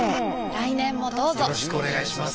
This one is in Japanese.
来年もどうぞよろしくお願いします。